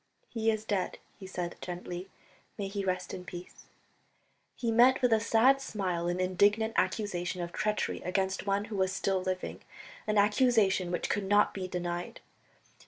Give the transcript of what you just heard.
"He is dead," he said gently, "may he rest in peace." He met with a sad smile an indignant accusation of treachery against one who was still living, an accusation which could not be denied.